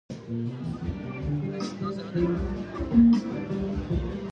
Imbo'ehao sãmbyhyhára oñeha'ãmbaitékuri oipytyvõ chupe.